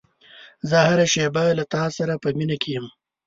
زه هره شېبه له تا سره په مینه کې یم.